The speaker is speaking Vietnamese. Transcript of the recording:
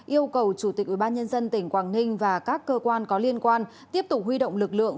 yêu cầu chủ tịch ubnd tỉnh quảng ninh và các cơ quan có liên quan tiếp tục huy động lực lượng